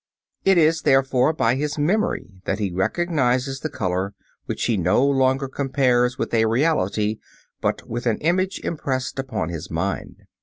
It is, therefore, by his memory that he recognizes the color, which he no longer compares with a reality but with an image impressed upon his mind.